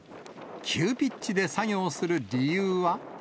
急ピッチで作業する理由は。